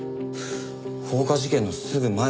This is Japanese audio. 放火事件のすぐ前ですね。